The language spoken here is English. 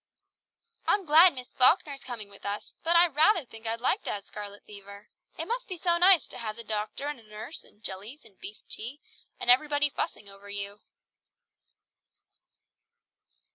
"I'm glad Miss Falkner is coming with us, but I rather think I'd like to have scarlet fever. It must be so nice to have the doctor and a nurse, and jellies and beef tea, and everybody fussing over you."